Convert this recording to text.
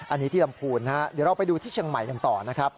อันนี้ที่ลำพูนนะฮะเดี๋ยวเราไปดูที่เชียงใหม่กันต่อนะครับ